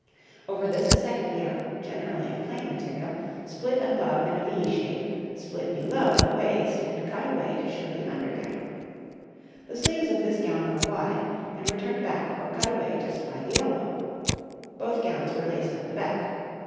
Over this a second gown, generally of plain material, split above in a V shape, split below at the waist, and cut away to show the under gown. The sleeves of this gown were wide, and were turned back or cut away just by the elbow. Both gowns were laced up the back.